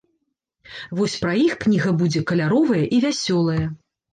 Вось пра іх кніга будзе каляровая і вясёлая!